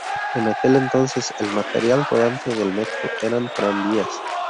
En aquel entonces el material rodante del metro eran tranvías.